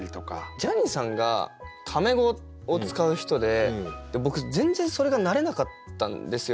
ジャニーさんがタメ語を使う人で僕全然それが慣れなかったんですよ。